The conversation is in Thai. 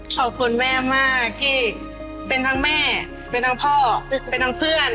ขอบคุณแม่มากที่เป็นทั้งแม่เป็นทั้งพ่อเป็นทั้งเพื่อน